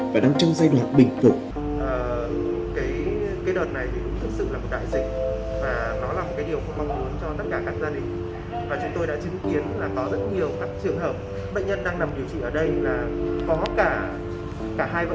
và đang trong giai đoạn bình thủ